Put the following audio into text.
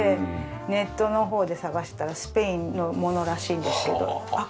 ネットの方で探したらスペインのものらしいんですけどあっ